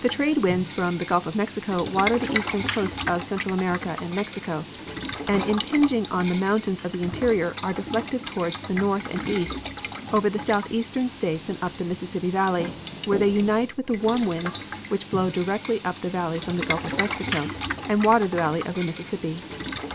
The trade winds from the Gulf of Mexico water the eastern coasts of Central America and Mexico, and impinging on the mountains of the interior are deflected toward the north and east over the southeastern states and up the Mississippi valley, where they unite with the warm winds which blow directly up the valley from the Gulf of Mexico, and water the valley of the Mississippi.